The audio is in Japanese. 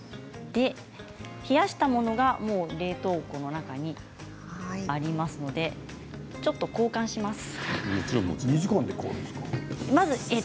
冷やしたものが冷凍庫の中にありますので交換します。